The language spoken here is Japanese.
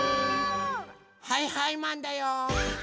はいはいマンだよー。